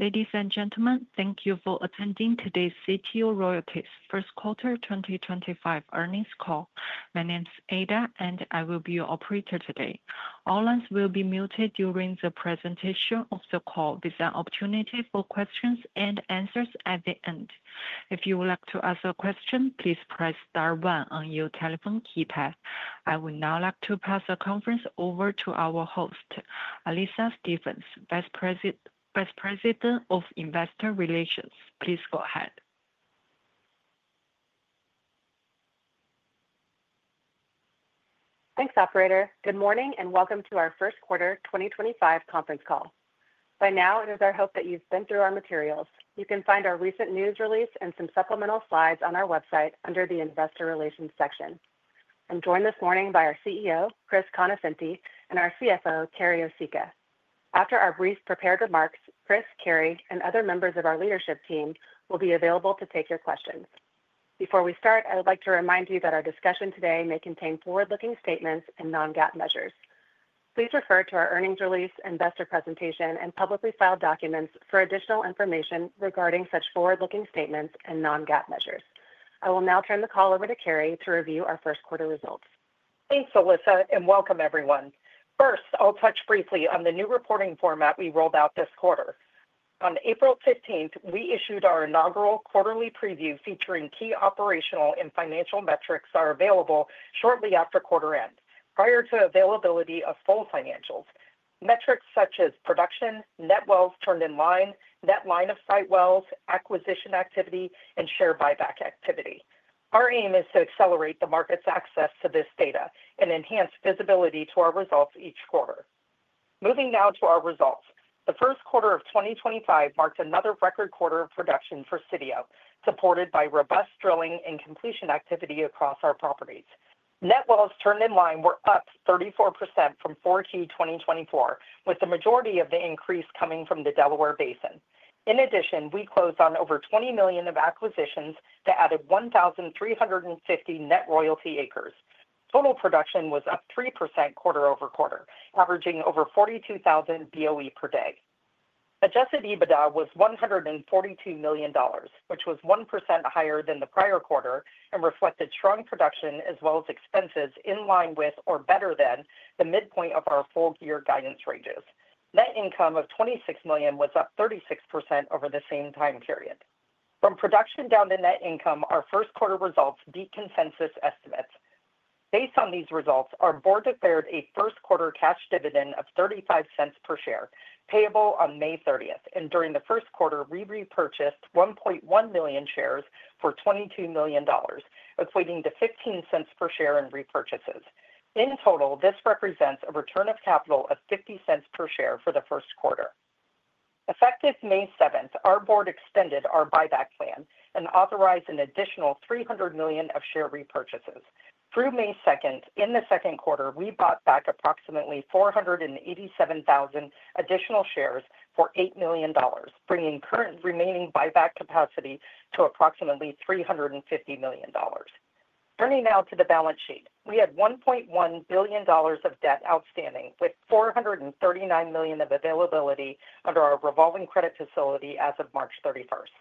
Ladies and gentlemen, thank you for attending today's Sitio Royalties first quarter 2025 earnings call. My name's Ada, and I will be your operator today. All lines will be muted during the presentation of the call. There's an opportunity for questions and answers at the end. If you would like to ask a question, please press star one on your telephone keypad. I would now like to pass the conference over to our host, Alyssa Stephens, Vice President of Investor Relations. Please go ahead. Thanks, Operator. Good morning and welcome to our first quarter 2025 conference call. By now, it is our hope that you've been through our materials. You can find our recent news release and some supplemental slides on our website under the Investor Relations section. I'm joined this morning by our CEO, Chris Conoscenti, and our CFO, Carrie Osicka. After our brief prepared remarks, Chris, Carrie, and other members of our leadership team will be available to take your questions. Before we start, I would like to remind you that our discussion today may contain forward-looking statements and non-GAAP measures. Please refer to our earnings release, investor presentation, and publicly filed documents for additional information regarding such forward-looking statements and non-GAAP measures. I will now turn the call over to Carrie to review our first quarter results. Thanks, Alyssa, and welcome, everyone. First, I'll touch briefly on the new reporting format we rolled out this quarter. On April 15th, we issued our inaugural quarterly preview featuring key operational and financial metrics that are available shortly after quarter end, prior to availability of full financials. Metrics such as production, net wells turned in line, net line of sight wells, acquisition activity, and share buyback activity. Our aim is to accelerate the market's access to this data and enhance visibility to our results each quarter. Moving now to our results, the first quarter of 2025 marked another record quarter of production for Sitio, supported by robust drilling and completion activity across our properties. Net wells turned in line were up 34% from Q4 2024, with the majority of the increase coming from the Delaware Basin. In addition, we closed on over $20 million of acquisitions that added 1,350 net royalty acres. Total production was up 3% quarter-over-quarter, averaging over 42,000 BOE per day. Adjusted EBITDA was $142 million, which was 1% higher than the prior quarter and reflected strong production as well as expenses in line with or better than the midpoint of our full year guidance ranges. Net income of $26 million was up 36% over the same time period. From production down to net income, our first quarter results beat consensus estimates. Based on these results, our board declared a first quarter cash dividend of $0.35 per share payable on May 30th, and during the first quarter, we repurchased 1.1 million shares for $22 million, equating to $0.15 per share in repurchases. In total, this represents a return of capital of $0.50 per share for the first quarter. Effective May 7th, our board extended our buyback plan and authorized an additional $300 million of share repurchases. Through May 2nd, in the second quarter, we bought back approximately 487,000 additional shares for $8 million, bringing current remaining buyback capacity to approximately $350 million. Turning now to the balance sheet, we had $1.1 billion of debt outstanding with $439 million of availability under our revolving credit facility as of March 31st.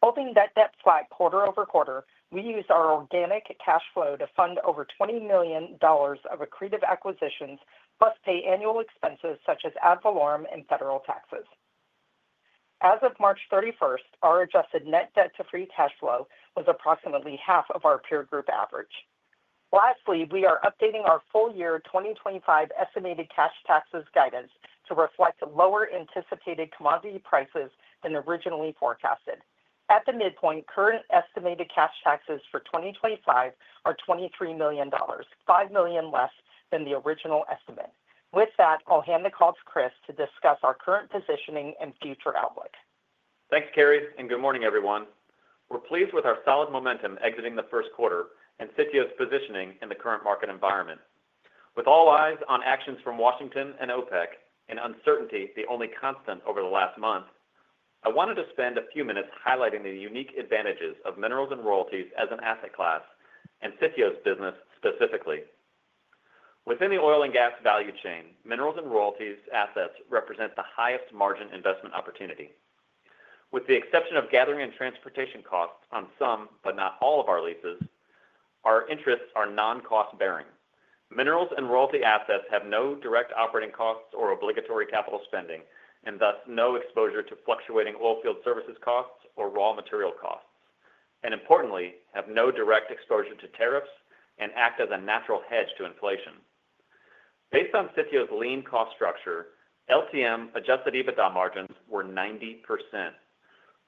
Holding that debt flat quarter-over-quarter, we used our organic cash flow to fund over $20 million of accretive acquisitions plus pay annual expenses such as ad valorem and federal taxes. As of March 31st, our adjusted net debt to free cash flow was approximately half of our peer group average. Lastly, we are updating our full year 2025 estimated cash taxes guidance to reflect lower anticipated commodity prices than originally forecasted. At the midpoint, current estimated cash taxes for 2025 are $23 million, $5 million less than the original estimate. With that, I'll hand the call to Chris to discuss our current positioning and future outlook. Thanks, Carrie, and good morning, everyone. We're pleased with our solid momentum exiting the first quarter and Sitio's positioning in the current market environment. With all eyes on actions from Washington and OPEC, and uncertainty the only constant over the last month, I wanted to spend a few minutes highlighting the unique advantages of minerals and royalties as an asset class and Sitio's business specifically. Within the oil and gas value chain, minerals and royalties assets represent the highest margin investment opportunity. With the exception of gathering and transportation costs on some, but not all of our leases, our interests are non-cost bearing. Minerals and royalty assets have no direct operating costs or obligatory capital spending, and thus no exposure to fluctuating oil field services costs or raw material costs, and importantly, have no direct exposure to tariffs and act as a natural hedge to inflation. Based on Sitio's lean cost structure, LTM adjusted EBITDA margins were 90%.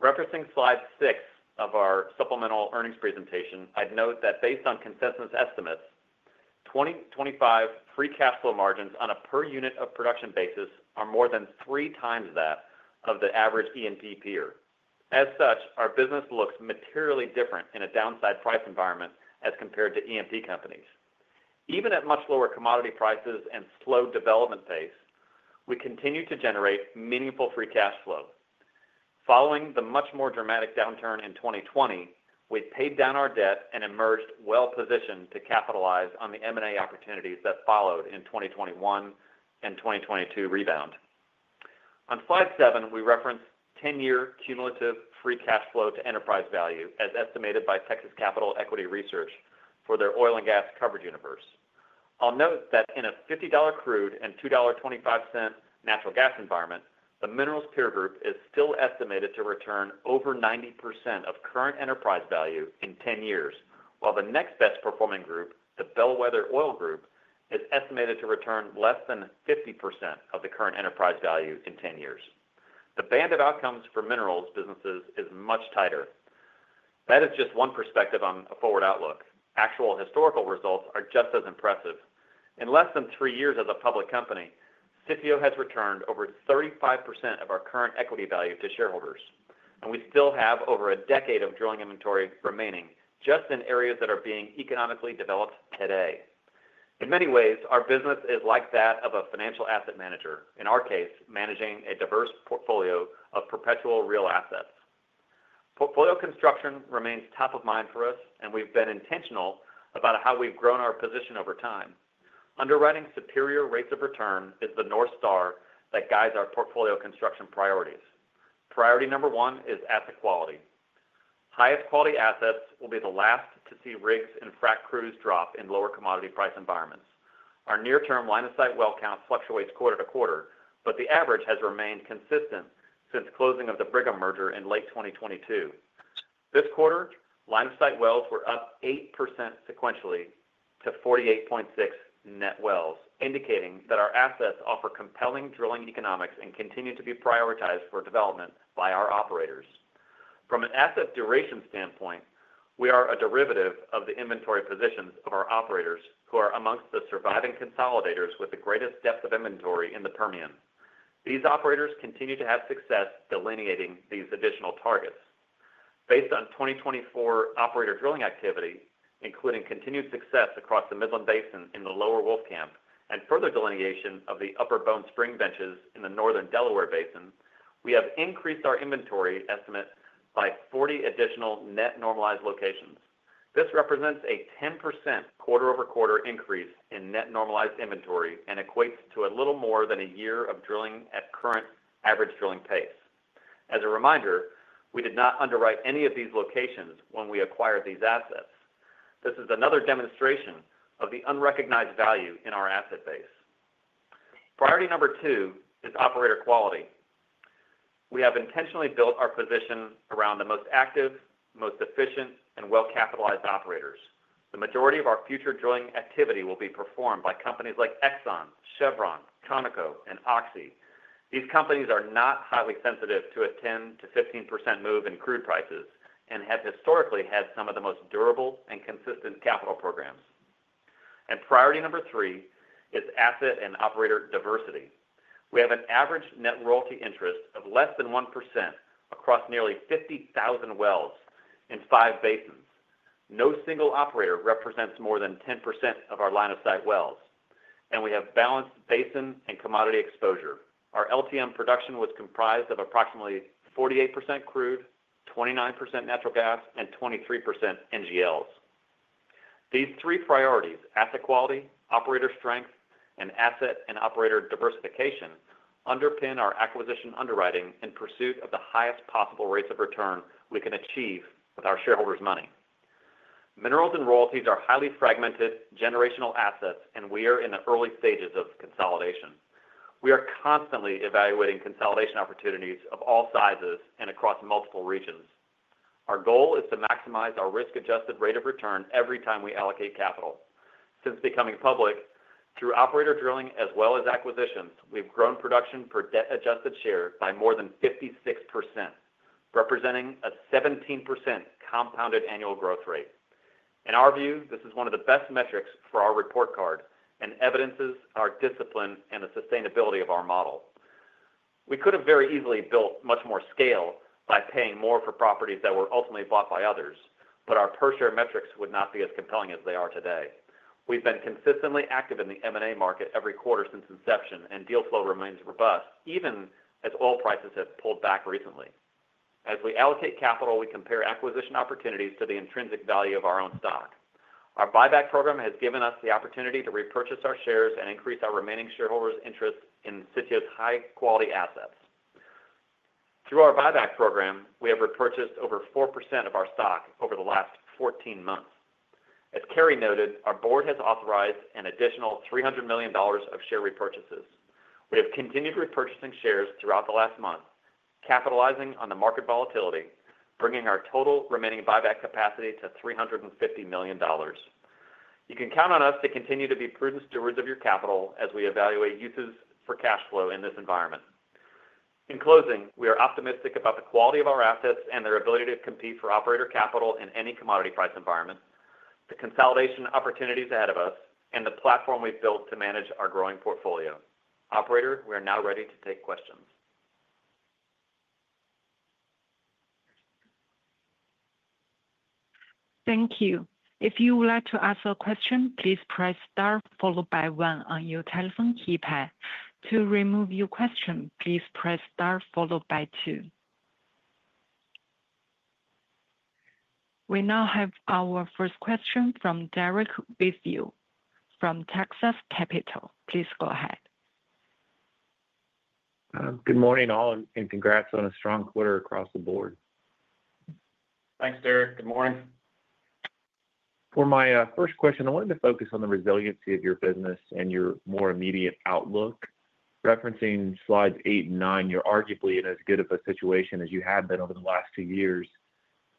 Referencing slide six of our supplemental earnings presentation, I'd note that based on consensus estimates, 2025 free cash flow margins on a per unit of production basis are more than three times that of the average E&P peer. As such, our business looks materially different in a downside price environment as compared to E&P companies. Even at much lower commodity prices and slow development pace, we continue to generate meaningful free cash flow. Following the much more dramatic downturn in 2020, we paid down our debt and emerged well-positioned to capitalize on the M&A opportunities that followed in 2021 and 2022 rebound. On slide seven, we reference 10-year cumulative free cash flow to enterprise value as estimated by Texas Capital Equity Research for their oil and gas coverage universe. I'll note that in a $50 crude and $2.25 natural gas environment, the minerals peer group is still estimated to return over 90% of current enterprise value in 10 years, while the next best performing group, the Bellwether Oil Group, is estimated to return less than 50% of the current enterprise value in 10 years. The band of outcomes for minerals businesses is much tighter. That is just one perspective on a forward outlook. Actual historical results are just as impressive. In less than three years as a public company, Sitio has returned over 35% of our current equity value to shareholders, and we still have over a decade of drilling inventory remaining just in areas that are being economically developed today. In many ways, our business is like that of a financial asset manager, in our case, managing a diverse portfolio of perpetual real assets. Portfolio construction remains top of mind for us, and we've been intentional about how we've grown our position over time. Underwriting superior rates of return is the North Star that guides our portfolio construction priorities. Priority number one is asset quality. Highest quality assets will be the last to see rigs and frack crews drop in lower commodity price environments. Our near-term line of sight well count fluctuates quarter to quarter, but the average has remained consistent since closing of the Brigham merger in late 2022. This quarter, line of sight wells were up 8% sequentially to 48.6 net wells, indicating that our assets offer compelling drilling economics and continue to be prioritized for development by our operators. From an asset duration standpoint, we are a derivative of the inventory positions of our operators who are amongst the surviving consolidators with the greatest depth of inventory in the Permian. These operators continue to have success delineating these additional targets. Based on 2024 operator drilling activity, including continued success across the Midland Basin in the Lower Wolfcamp and further delineation of the Upper Bone Spring benches in the Northern Delaware Basin, we have increased our inventory estimate by 40 additional net normalized locations. This represents a 10% quarter-over-quarter increase in net normalized inventory and equates to a little more than a year of drilling at current average drilling pace. As a reminder, we did not underwrite any of these locations when we acquired these assets. This is another demonstration of the unrecognized value in our asset base. Priority number two is operator quality. We have intentionally built our position around the most active, most efficient, and well-capitalized operators. The majority of our future drilling activity will be performed by companies like Exxon, Chevron, Conoco, and Oxy. These companies are not highly sensitive to a 10%-15% move in crude prices and have historically had some of the most durable and consistent capital programs. Priority number three is asset and operator diversity. We have an average net royalty interest of less than 1% across nearly 50,000 wells in five basins. No single operator represents more than 10% of our line of sight wells, and we have balanced basin and commodity exposure. Our LTM production was comprised of approximately 48% crude, 29% natural gas, and 23% NGLs. These three priorities, asset quality, operator strength, and asset and operator diversification, underpin our acquisition underwriting in pursuit of the highest possible rates of return we can achieve with our shareholders' money. Minerals and royalties are highly fragmented generational assets, and we are in the early stages of consolidation. We are constantly evaluating consolidation opportunities of all sizes and across multiple regions. Our goal is to maximize our risk-adjusted rate of return every time we allocate capital. Since becoming public, through operator drilling as well as acquisitions, we've grown production per debt-adjusted share by more than 56%, representing a 17% compounded annual growth rate. In our view, this is one of the best metrics for our report card and evidences our discipline and the sustainability of our model. We could have very easily built much more scale by paying more for properties that were ultimately bought by others, but our per-share metrics would not be as compelling as they are today. We've been consistently active in the M&A market every quarter since inception, and deal flow remains robust even as oil prices have pulled back recently. As we allocate capital, we compare acquisition opportunities to the intrinsic value of our own stock. Our buyback program has given us the opportunity to repurchase our shares and increase our remaining shareholders' interest in Sitio's high-quality assets. Through our buyback program, we have repurchased over 4% of our stock over the last 14 months. As Carrie noted, our board has authorized an additional $300 million of share repurchases. We have continued repurchasing shares throughout the last month, capitalizing on the market volatility, bringing our total remaining buyback capacity to $350 million. You can count on us to continue to be prudent stewards of your capital as we evaluate uses for cash flow in this environment. In closing, we are optimistic about the quality of our assets and their ability to compete for operator capital in any commodity price environment, the consolidation opportunities ahead of us, and the platform we've built to manage our growing portfolio. Operator, we are now ready to take questions. Thank you. If you would like to ask a question, please press star followed by one on your telephone keypad. To remove your question, please press star followed by two. We now have our first question from Derrick Withfield from Texas Capital. Please go ahead. Good morning, all, and congrats on a strong quarter across the board. Thanks, Derrick. Good morning. For my first question, I wanted to focus on the resiliency of your business and your more immediate outlook. Referencing slides eight and nine, you're arguably in as good of a situation as you have been over the last two years.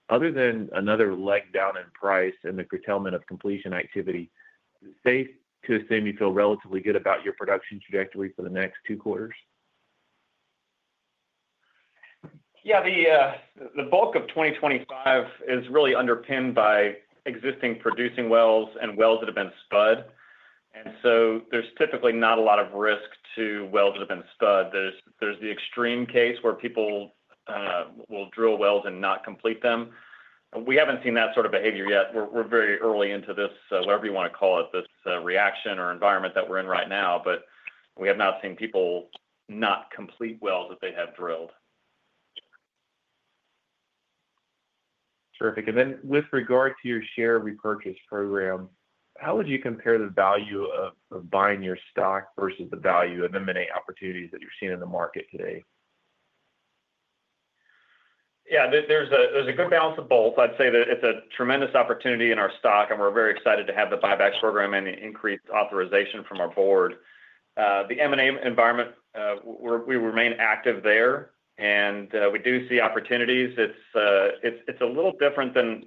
Other than another leg down in price and the curtailment of completion activity, is it safe to assume you feel relatively good about your production trajectory for the next two quarters? Yeah, the bulk of 2025 is really underpinned by existing producing wells and wells that have been spud. There is typically not a lot of risk to wells that have been spud. There is the extreme case where people will drill wells and not complete them. We have not seen that sort of behavior yet. We are very early into this, whatever you want to call it, this reaction or environment that we are in right now, but we have not seen people not complete wells that they have drilled. Terrific. With regard to your share repurchase program, how would you compare the value of buying your stock versus the value of M&A opportunities that you're seeing in the market today? Yeah, there's a good balance of both. I'd say that it's a tremendous opportunity in our stock, and we're very excited to have the buyback program and the increased authorization from our board. The M&A environment, we remain active there, and we do see opportunities. It's a little different than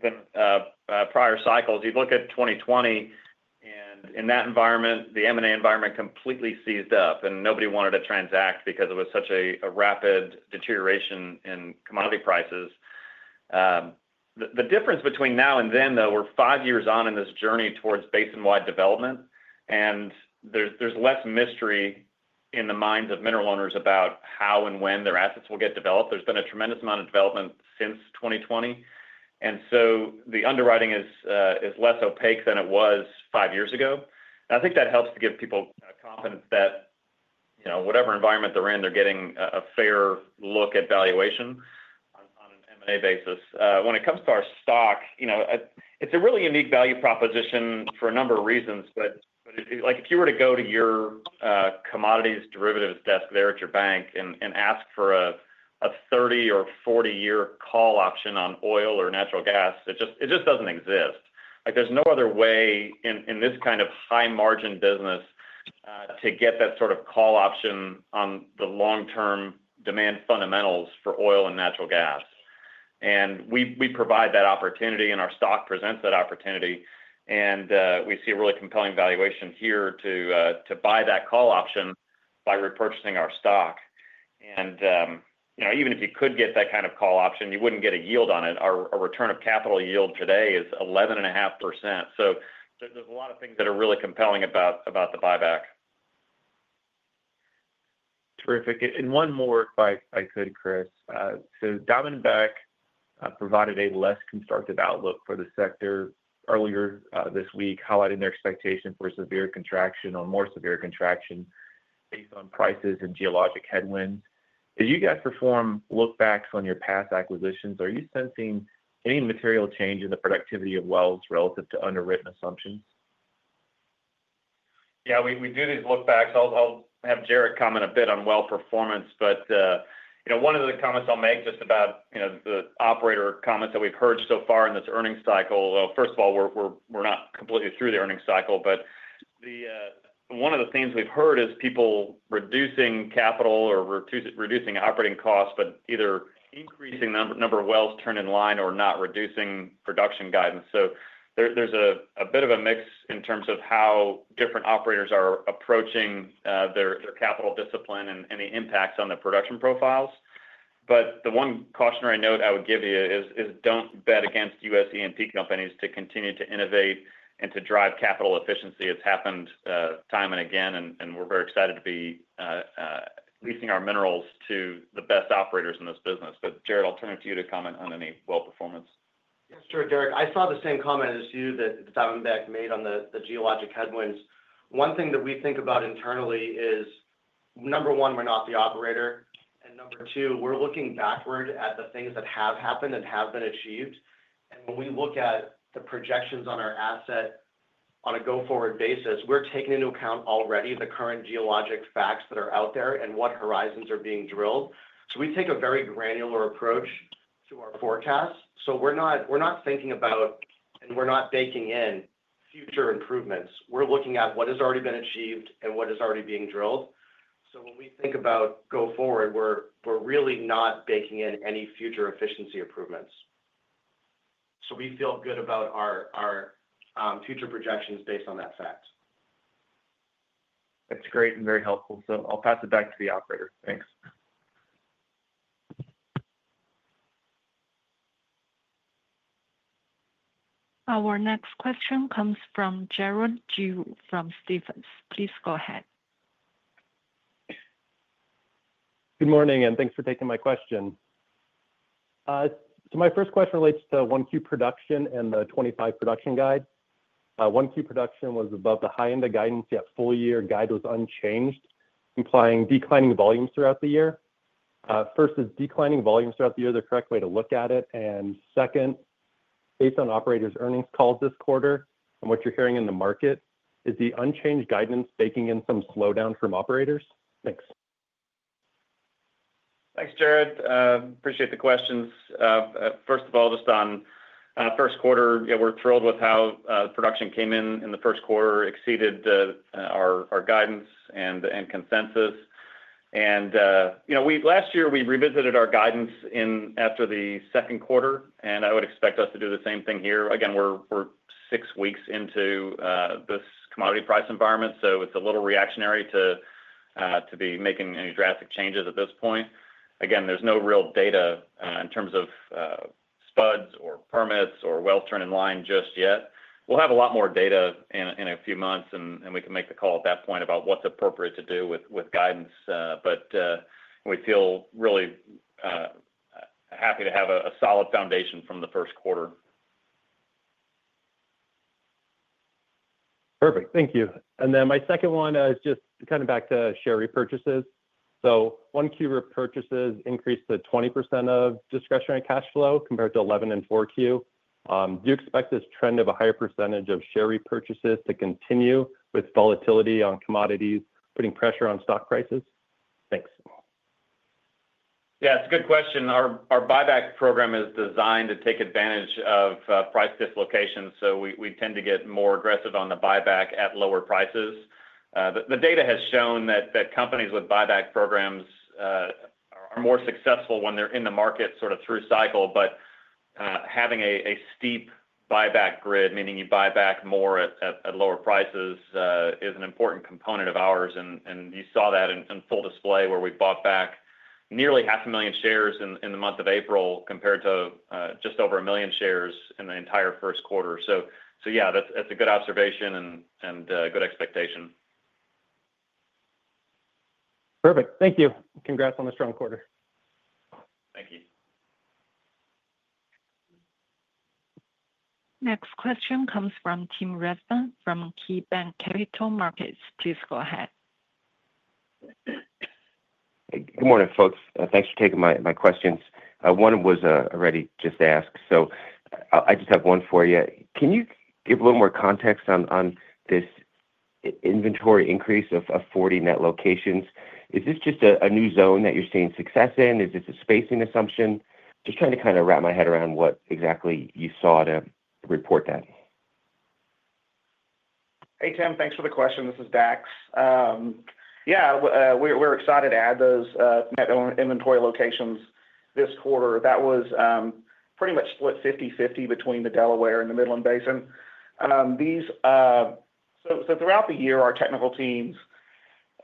prior cycles. You look at 2020, and in that environment, the M&A environment completely seized up, and nobody wanted to transact because it was such a rapid deterioration in commodity prices. The difference between now and then, though, we're five years on in this journey towards basin-wide development, and there's less mystery in the minds of mineral owners about how and when their assets will get developed. There's been a tremendous amount of development since 2020, and so the underwriting is less opaque than it was five years ago. I think that helps to give people confidence that whatever environment they're in, they're getting a fair look at valuation on an M&A basis. When it comes to our stock, it's a really unique value proposition for a number of reasons, but if you were to go to your commodities derivatives desk there at your bank and ask for a 30 or 40-year call option on oil or natural gas, it just doesn't exist. There's no other way in this kind of high-margin business to get that sort of call option on the long-term demand fundamentals for oil and natural gas. We provide that opportunity, and our stock presents that opportunity, and we see a really compelling valuation here to buy that call option by repurchasing our stock. Even if you could get that kind of call option, you wouldn't get a yield on it. Our return of capital yield today is 11.5%. There are a lot of things that are really compelling about the buyback. Terrific. One more, if I could, Chris. Diamondback provided a less constructive outlook for the sector earlier this week, highlighting their expectation for severe contraction or more severe contraction based on prices and geologic headwinds. As you guys perform look-backs on your past acquisitions, are you sensing any material change in the productivity of wells relative to underwritten assumptions? Yeah, we do these look-backs. I'll have Jarret comment a bit on well performance, but one of the comments I'll make just about the operator comments that we've heard so far in this earnings cycle. First of all, we're not completely through the earnings cycle, but one of the things we've heard is people reducing capital or reducing operating costs, but either increasing the number of wells turned in line or not reducing production guidance. There is a bit of a mix in terms of how different operators are approaching their capital discipline and the impacts on the production profiles. The one cautionary note I would give you is do not bet against U.S. E&P companies to continue to innovate and to drive capital efficiency. It's happened time and again, and we're very excited to be leasing our minerals to the best operators in this business. Jarret, I'll turn it to you to comment on any well performance. Yes, sure, Derrick. I saw the same comment as you that Diamondback made on the geologic headwinds. One thing that we think about internally is, number one, we're not the operator, and number two, we're looking backward at the things that have happened and have been achieved. When we look at the projections on our asset on a go-forward basis, we're taking into account already the current geologic facts that are out there and what horizons are being drilled. We take a very granular approach to our forecast. We're not thinking about and we're not baking in future improvements. We're looking at what has already been achieved and what is already being drilled. When we think about go forward, we're really not baking in any future efficiency improvements. We feel good about our future projections based on that fact. That's great and very helpful. I'll pass it back to the operator. Thanks. Our next question comes from Jarrod Giroue from Stephens. Please go ahead. Good morning, and thanks for taking my question. My first question relates to 1Q production and the 2025 production quide. 1Q production was above the high end of guidance, yet full-year guide was unchanged, implying declining volumes throughout the year. First, is declining volumes throughout the year the correct way to look at it? Second, based on operators' earnings calls this quarter and what you're hearing in the market, is the unchanged guidance baking in some slowdown from operators? Thanks. Thanks, Jarrod. Appreciate the questions. First of all, just on first quarter, we're thrilled with how production came in in the first quarter, exceeded our guidance and consensus. Last year, we revisited our guidance after the second quarter, and I would expect us to do the same thing here. Again, we're six weeks into this commodity price environment, so it's a little reactionary to be making any drastic changes at this point. Again, there's no real data in terms of spuds or permits or wells turned in line just yet. We'll have a lot more data in a few months, and we can make the call at that point about what's appropriate to do with guidance, but we feel really happy to have a solid foundation from the first quarter. Perfect. Thank you. My second one is just kind of back to share repurchases. 1Q repurchases increased to 20% of discretionary cash flow compared to 11% in fourth quarter. Do you expect this trend of a higher percentage of share repurchases to continue with volatility on commodities, putting pressure on stock prices? Thanks. Yeah, it's a good question. Our buyback program is designed to take advantage of price dislocation, so we tend to get more aggressive on the buyback at lower prices. The data has shown that companies with buyback programs are more successful when they're in the market sort of through cycle, but having a steep buyback grid, meaning you buy back more at lower prices, is an important component of ours. You saw that in full display where we bought back nearly 500,000 shares in the month of April compared to just over 1 million shares in the entire first quarter. Yeah, that's a good observation and good expectation. Perfect. Thank you. Congrats on the strong quarter. Thank you. Next question comes from Tim Rezvan from KeyBanc Capital Markets. Please go ahead. Good morning, folks. Thanks for taking my questions. One was already just asked, so I just have one for you. Can you give a little more context on this inventory increase of 40 net locations? Is this just a new zone that you're seeing success in? Is this a spacing assumption? Just trying to kind of wrap my head around what exactly you saw to report that. Hey, Tim. Thanks for the question. This is Dax. Yeah, we're excited to add those net inventory locations this quarter. That was pretty much split 50/50 between the Delaware and the Midland Basin. Throughout the year, our technical teams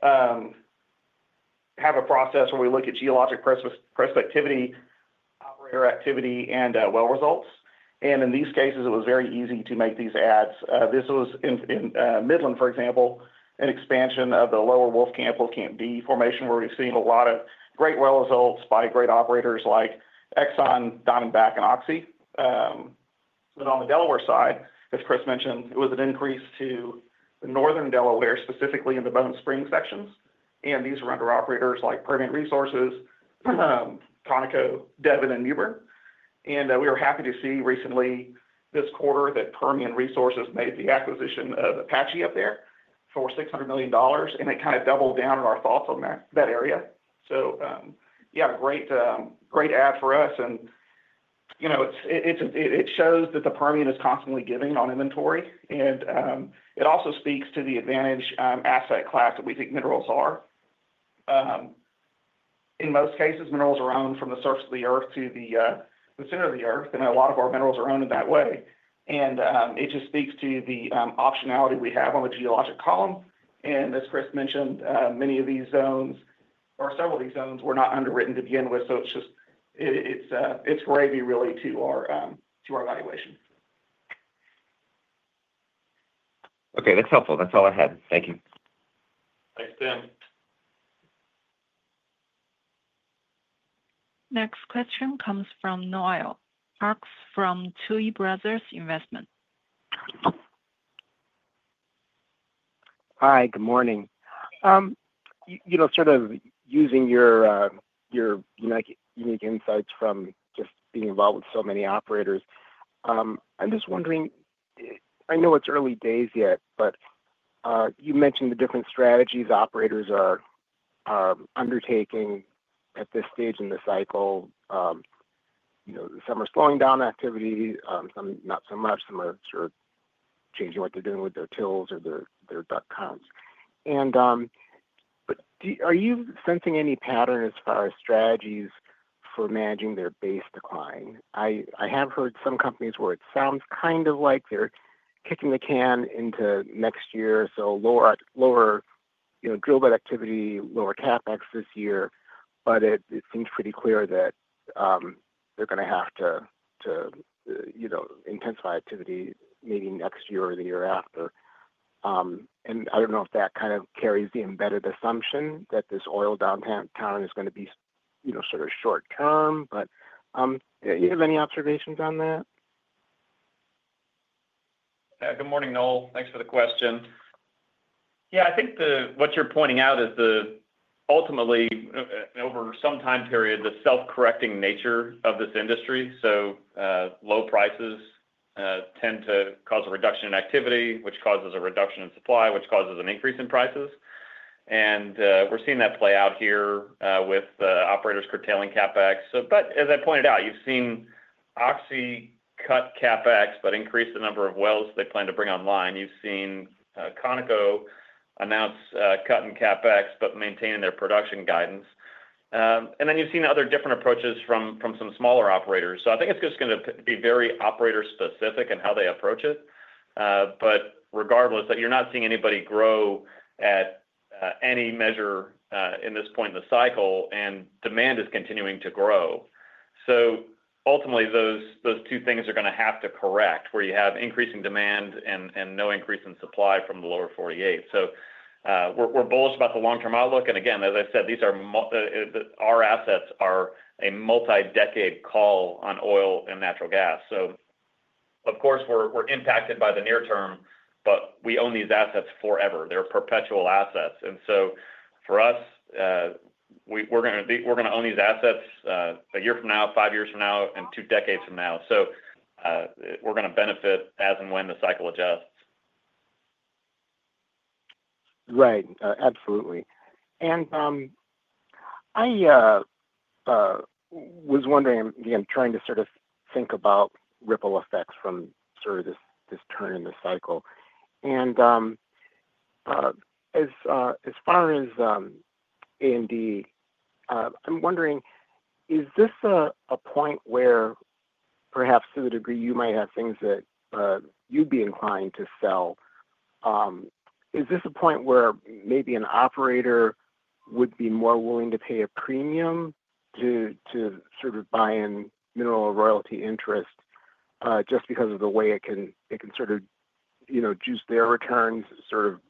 have a process where we look at geologic prospectivity, operator activity, and well results. In these cases, it was very easy to make these adds. This was in Midland, for example, an expansion of the Lower Wolfcamp D formation where we've seen a lot of great well results by great operators like Exxon, Diamondback, and Oxy. On the Delaware side, as Chris mentioned, it was an increase to the northern Delaware, specifically in the Bone Spring sections. These were under operators like Permian Resources, Conoco, Devon, and Mewbourne. We were happy to see recently this quarter that Permian Resources made the acquisition of Apache up there for $600 million, and it kind of doubled down on our thoughts on that area. Yeah, great add for us. It shows that the Permian is constantly giving on inventory, and it also speaks to the advantage asset class that we think minerals are. In most cases, minerals are owned from the surface of the earth to the center of the earth, and a lot of our minerals are owned in that way. It just speaks to the optionality we have on the geologic column. As Chris mentioned, many of these zones, or several of these zones, were not underwritten to begin with, so it's just gravy really to our valuation. Okay, that's helpful. That's all I had. Thank you. Thanks, Tim. Next question comes from Noel Parks from Tuohy Brothers Investment. Hi, good morning. Sort of using your unique insights from just being involved with so many operators, I'm just wondering, I know it's early days yet, but you mentioned the different strategies operators are undertaking at this stage in the cycle. Some are slowing down activity, some not so much, some are sort of changing what they're doing with their tills or their [DUC] counts. Are you sensing any pattern as far as strategies for managing their base decline? I have heard some companies where it sounds kind of like they're kicking the can into next year, so lower drill bit activity, lower CapEx this year, but it seems pretty clear that they're going to have to intensify activity maybe next year or the year after. I don't know if that kind of carries the embedded assumption that this oil downtown is going to be sort of short-term, but do you have any observations on that? Good morning, Noel. Thanks for the question. Yeah, I think what you're pointing out is ultimately, over some time period, the self-correcting nature of this industry. Low prices tend to cause a reduction in activity, which causes a reduction in supply, which causes an increase in prices. We're seeing that play out here with operators curtailing CapEx. As I pointed out, you've seen Oxy cut CapEx, but increase the number of wells they plan to bring online. You've seen Conoco announce cutting CapEx, but maintaining their production guidance. You've seen other different approaches from some smaller operators. I think it's just going to be very operator-specific in how they approach it. Regardless, you're not seeing anybody grow at any measure in this point in the cycle, and demand is continuing to grow. Ultimately, those two things are going to have to correct where you have increasing demand and no increase in supply from the lower 48. We are bullish about the long-term outlook. Again, as I said, our assets are a multi-decade call on oil and natural gas. Of course, we are impacted by the near term, but we own these assets forever. They are perpetual assets. For us, we are going to own these assets a year from now, five years from now, and two decades from now. We are going to benefit as and when the cycle adjusts. Right. Absolutely. I was wondering, again, trying to sort of think about ripple effects from sort of this turn in the cycle. As far as A&D, I'm wondering, is this a point where perhaps to the degree you might have things that you'd be inclined to sell, is this a point where maybe an operator would be more willing to pay a premium to sort of buy in mineral royalty interest just because of the way it can sort of juice their returns, sort of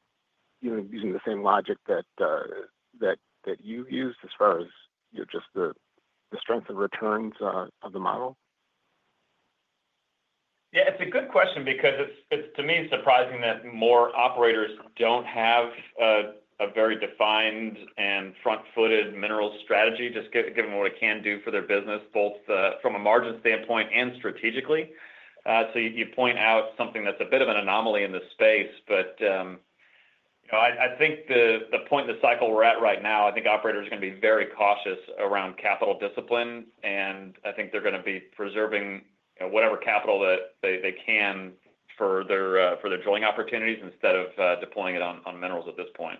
using the same logic that you've used as far as just the strength of returns of the model? Yeah, it's a good question because to me, it's surprising that more operators don't have a very defined and front-footed mineral strategy, just given what it can do for their business, both from a margin standpoint and strategically. You point out something that's a bit of an anomaly in this space, but I think the point in the cycle we're at right now, I think operators are going to be very cautious around capital discipline, and I think they're going to be preserving whatever capital that they can for their drilling opportunities instead of deploying it on minerals at this point.